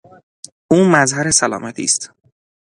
او مظهر سلامتی است.